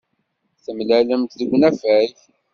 Temlalemt deg unafag.